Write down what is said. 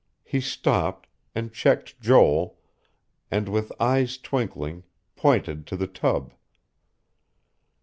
He stopped, and checked Joel, and with eyes twinkling, pointed to the tub.